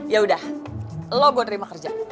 yaudah lo gue terima kerja